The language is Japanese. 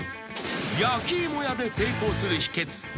［焼き芋屋で成功する秘訣。